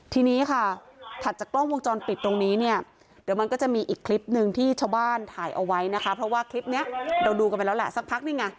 ทีนี้ค่ะถัดจากกล้องวงจรปิดตรงนี้เนี่ยเดี๋ยวมันก็จะมีอีกคลิปหนึ่งที่ชาวบ้านถ่ายเอาไว้นะคะเพราะว่าคลิปนี้เราดูกันไปแล้วแหละสักพักนี่ไง